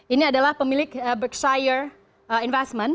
ini adalah pemilik burkshire investment